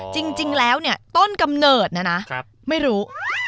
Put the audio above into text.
จริงแล้วต้นกำเนิดไม่รู้